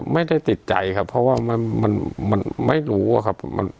ไม่ได้ติดใจครับเพราะว่ามันไม่รู้อะครับ